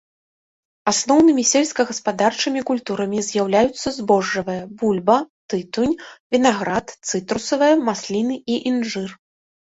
Асноўнымі сельскагаспадарчымі культурамі з'яўляюцца збожжавыя, бульба, тытунь, вінаград, цытрусавыя, масліны і інжыр.